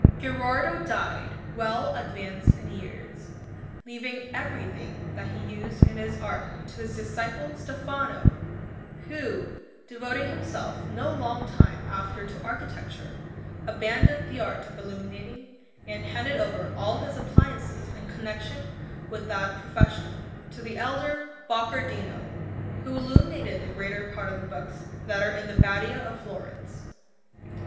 Gherardo died well advanced in years, leaving everything that he used in his art to his disciple Stefano, who, devoting himself no long time after to architecture, abandoned the art of illuminating, and handed over all his appliances in connection with that profession to the elder Boccardino, who illuminated the greater part of the books that are in the Badia of Florence.